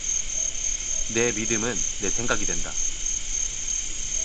네 믿음은 네 생각이 된다.